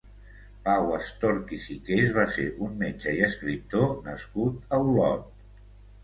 Pau Estorch i Siqués va ser un metge i escriptor nascut a Olot.